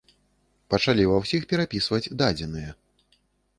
Пачалі ва ўсіх перапісваць дадзеныя.